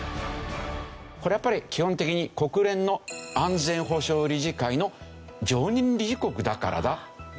これはやっぱり基本的に国連の安全保障理事会の常任理事国だからだという事ですよね。